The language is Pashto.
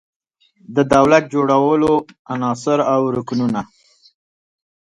د دولت جوړولو عناصر او رکنونه